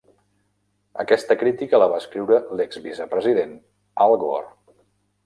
Aquesta crítica la va escriure l'exvicepresident Al Gore.